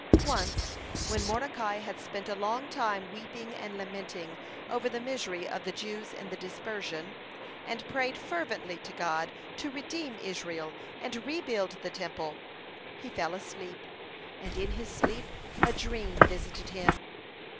Once, when Mordecai had spent a long time weeping and lamenting over the misery of the Jews in the Dispersion, and prayed fervently to God to redeem Israel and rebuild the Temple, he fell asleep, and in his sleep a dream visited him.